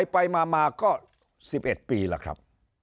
ไปมาก็๑๑ปีแล้วครับ